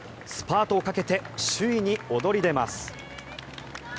スパートをかけて首位に躍り出ます。